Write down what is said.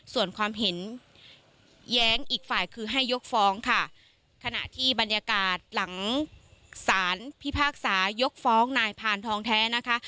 ส่วนความเห็นแย้งอีกฝ่ายคือให้ยกฟ้องค่ะขณะที่บรรยากาศหลังสารพิพากษายกฟ้องนายพานทองแท้นะคะ